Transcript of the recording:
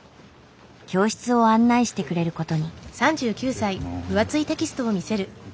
教室を案内してくれることに。